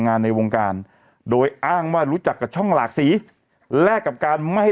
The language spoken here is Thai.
ในวงการโดยอ้างว่ารู้จักกับช่องหลากสีแลกกับการไม่